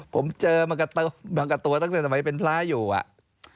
ผมเจอมากะตัวตั้งแต่สมัยเป็นพระอยู่